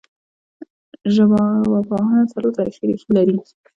ژبارواپوهنه څلور تاریخي ریښې لري